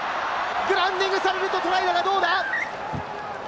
グラウンディングされるとトライだが、どうだ？